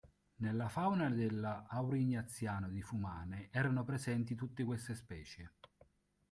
Nella fauna dell'Aurignaziano di Fumane erano presenti tutte queste specie.